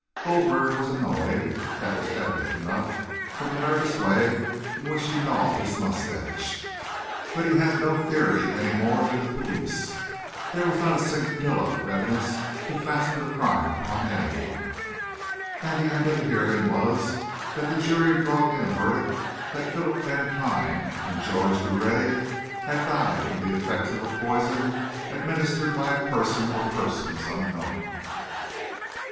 Goldberger was annoyed; that was evident enough from the nervous way in which he gnawed his moustache; but he had no theory any more than the police; there was not a scintilla of evidence to fasten the crime upon any one; and the end of the hearing was that the jury brought in a verdict that Philip Vantine and Georges Drouet had died from the effects of a poison administered by a person or persons unknown.